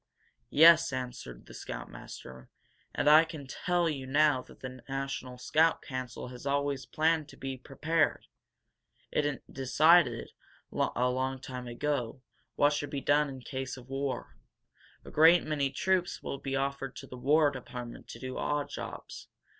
"Yes," answered the scoutmaster. "And I can tell you now that the National Scout Council has always planned to 'Be Prepared!' It decided, a long time ago, what should be done in case of war. A great many troops will be offered to the War Department to do odd jobs.